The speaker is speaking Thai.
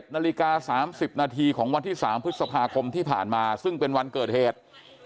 นาฬิกา๓๐นาทีของวันที่๓พฤษภาคมที่ผ่านมาซึ่งเป็นวันเกิดเหตุ